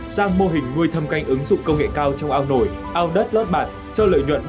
sang mô hình nuôi thâm canh ứng dụng công nghệ cao trong ao nổi ao đất lót bạt cho lợi nhuận bốn trăm linh